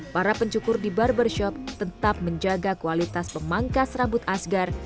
para pencukur di barbershop tetap menjaga kualitas pemangkas rambut asgar